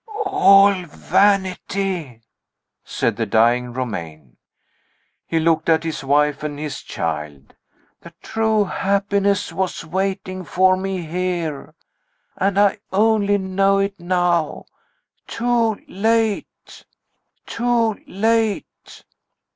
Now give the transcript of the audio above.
"All vanity!" said the dying Romayne. He looked at his wife and his child. "The true happiness was waiting for me here. And I only know it now. Too late. Too late."